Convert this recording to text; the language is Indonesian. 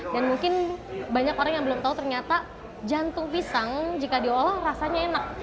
dan mungkin banyak orang yang belum tau ternyata jantung pisang jika diolah rasanya enak